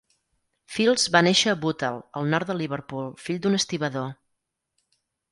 Fields va néixer a Bootle, al nord de Liverpool, fill d'un estibador.